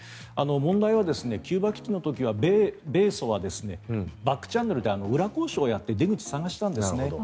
問題はキューバ危機の時は米ソはバックチャンネルで裏交渉をやって出口を探したんですね。